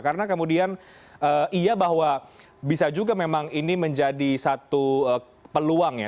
karena kemudian iya bahwa bisa juga memang ini menjadi satu peluang ya